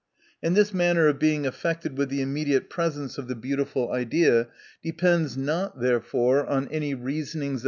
And this manner of being affected with the im mediate presence of the beautiful idea depends not, therefore, on any reasonings THE NATURE OF VIRTUE.